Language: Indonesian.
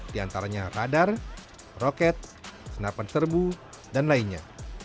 di antaranya radar roket senapan serbu dan lainnya